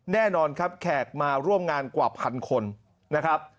แน่นอนครับแขกมาร่วมงานกว่าพันคนนะครับ